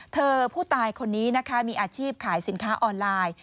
เธอผู้ตายคนนี้นะคะมีอาชีพขายสินค้าออนไลน์